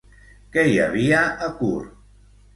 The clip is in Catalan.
Què hi havia a Kur?